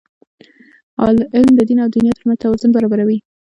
علم د دین او دنیا ترمنځ توازن برابروي.